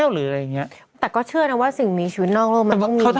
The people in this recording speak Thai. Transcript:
แต่ก็เชื่อถ้าเจ้ามีชีวิตนอกโลก